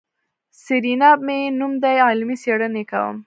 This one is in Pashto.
سېرېنا مې نوم دی علمي څېړنې کوم.